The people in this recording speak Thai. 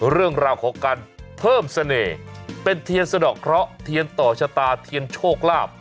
เรื่องราวของการเพิ่มเสน่ห์เป็นเทียนสะดอกเคราะห์เทียนต่อชะตาเทียนโชคลาภ